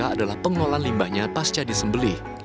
adalah pengolahan limbahnya pasca di sembeli